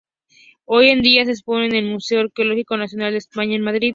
Hoy en día se exponen en el Museo Arqueológico Nacional de España, en Madrid.